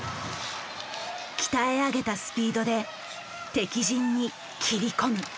鍛え上げたスピードで敵陣に切り込む。